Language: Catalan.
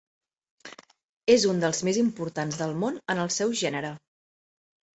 És un dels més importants del món en el seu gènere.